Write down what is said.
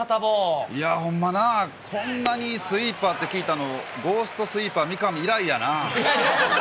いやー、ほんまな、こんなにスイーパーって聞いたの、ゴーストスイーパーみかみ以来だな。